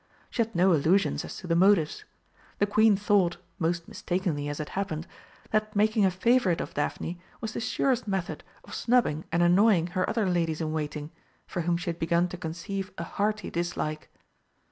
She had no illusions as to the motives. The Queen thought most mistakenly, as it happened that making a favourite of Daphne was the surest method of snubbing and annoying her other ladies in waiting, for whom she had begun to conceive a hearty dislike.